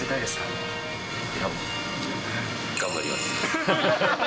頑張ります。